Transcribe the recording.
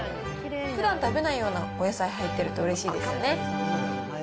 ふだん食べないようなお野菜入ってるとうれしいですよね。